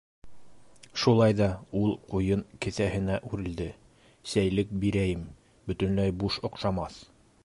- Шулай ҙа, - ул ҡуйын кеҫәһенә үрелде, - сәйлек бирәйем, бөтөнләй буш оҡшамаҫ.